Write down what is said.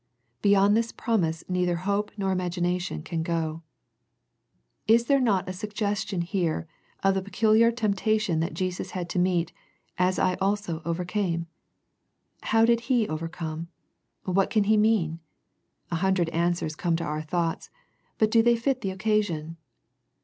Beyond this promise neither hope nor imagination can go. Is there not a suggestion here of the pecu liar temptation that Jesus had to meet " as I also overcame ?" How did He overcome ? What can He mean? A hundred answers come to our thoughts, but do they fit the occa sion?